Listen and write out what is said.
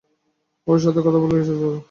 ওর সাথে কথা বলতে চেয়েছিল?